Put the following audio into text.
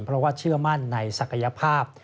เพราะว่าเชื่อมั่นในศักยภาพ